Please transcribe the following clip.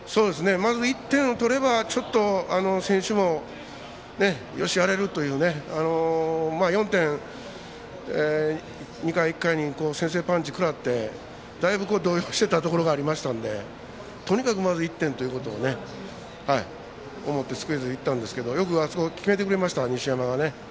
まず１点を取れば選手も、よしやれるという４点、２回、１回に先制パンチくらってだいぶ動揺していたところがありましたのでとにかくまず１点というところを思ってスクイズでいったんですけどよく決めてくれました西山がね。